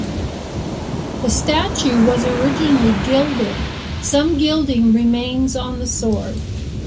The statue was originally gilded; some gilding remains on the sword.